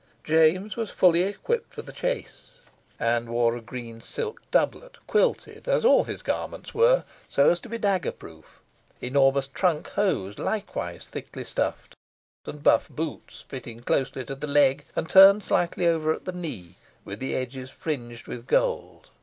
James was fully equipped for the chase, and wore a green silk doublet, quilted, as all his garments were, so as to be dagger proof, enormous trunk hose, likewise thickly stuffed, and buff boots, fitting closely to the leg, and turned slightly over at the knee, with the edges fringed with gold.